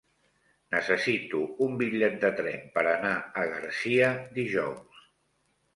Necessito un bitllet de tren per anar a Garcia dijous.